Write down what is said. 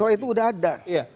kalau itu sudah ada